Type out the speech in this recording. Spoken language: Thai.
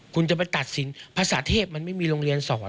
คุณจะไปตัดสินภาษาเทพมันไม่มีโรงเรียนสอน